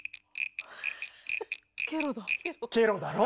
ケロだろ？